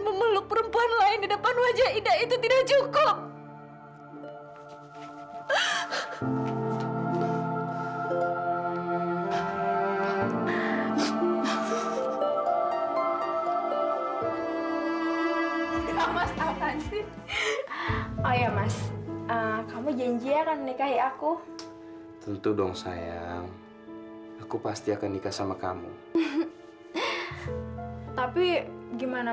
kalau sampai ibu masih sholat lagi nanti aku bakar semuanya